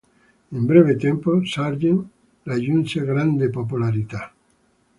In breve tempo Sargent raggiunse grande popolarità.